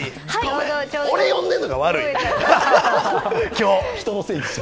俺、呼んでるのが悪い、今日。